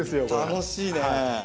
楽しいね。